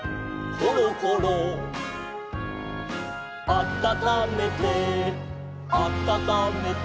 「あたためてあたためて」